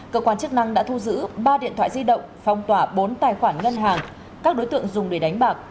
cơ quan chức năng đã thu giữ ba điện thoại di động phong tỏa bốn tài khoản ngân hàng các đối tượng dùng để đánh bạc